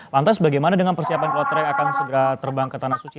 lantas bagaimana dengan persiapan kloterai akan segera terbang ke tanah suci